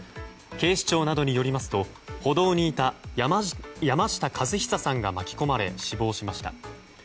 警視庁などによりますと歩道にいた山下和久さんが巻き込まれ、死亡しました。